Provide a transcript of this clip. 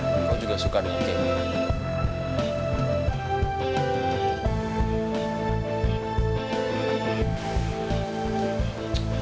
kau juga suka dengan cake